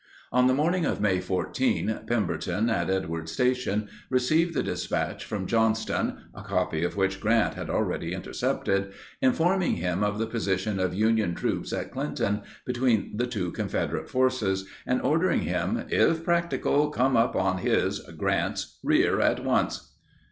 On the morning of May 14, Pemberton, at Edwards Station, received the dispatch from Johnston (a copy of which Grant had already intercepted) informing him of the position of Union troops at Clinton, between the two Confederate forces, and ordering him "if practicable, come up on his [Grant's] rear at once."